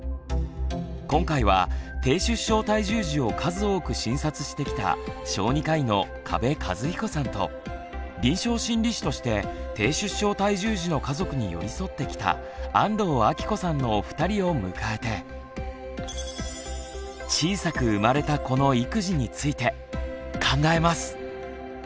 今回は低出生体重児を数多く診察してきた小児科医の加部一彦さんと臨床心理士として低出生体重児の家族に寄り添ってきた安藤朗子さんのお二人を迎えて「小さく生まれた子の育児」について考えます。